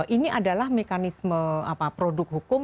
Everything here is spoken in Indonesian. ini adalah mekanisme produk hukum